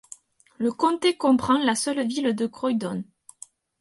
Le comté comprend la seule ville de Croydon.